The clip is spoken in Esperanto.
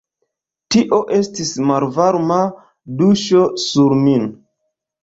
Tio estis malvarma duŝo sur min.